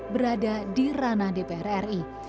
berada di ranah dpr ri